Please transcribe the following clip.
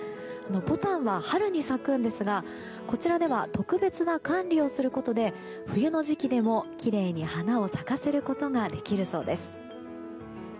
ぼたんは春に咲くんですがこちらでは特別な管理をすることで冬の時期でも、きれいに花を咲かせることができるそうです。